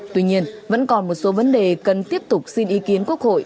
tuy nhiên vẫn còn một số vấn đề cần tiếp tục xin ý kiến quốc hội